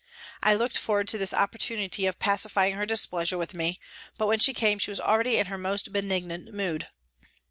I looked forward to this opportunity of pacifying her displeasure with me, but when she came she was already in her most benignant mood.